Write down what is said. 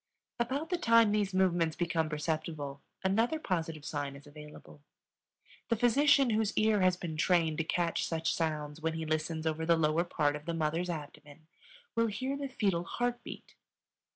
About the time these movements become perceptible another positive sign is available. The physician whose ear has been trained to catch such sounds when he listens over the lower part of the mother's abdomen will hear the fetal heart beat.